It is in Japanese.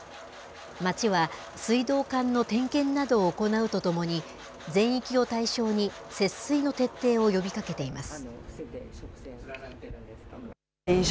町は、水道管の点検などを行うとともに、全域を対象に節水の徹底を呼びかけています。